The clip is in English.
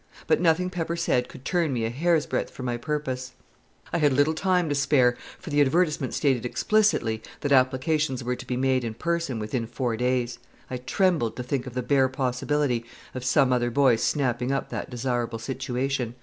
But nothing Pepper said could turn me a hair's breadth from my purpose. I had little time to spare, for the advertisement stated explicitly that applications were to be made in person within four days. I trembled to think of the bare possibility of some other boy snapping up that desirable situation.